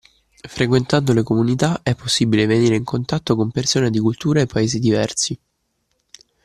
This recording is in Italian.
Frequentando le comunità è possibile venire in contatto con persone di culture e Paesi diversi.